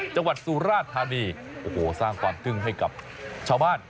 สุราธานีโอ้โหสร้างความทึ่งให้กับชาวบ้าน